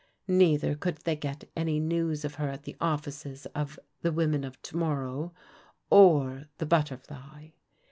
Neither could they get any news of her at the ofl&ces of The Women of To morrow, or The Butterfly.